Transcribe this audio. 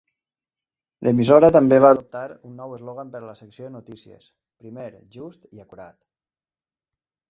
L'emissora també va adoptar un nou eslògan per a la secció de notícies: primer, just i acurat.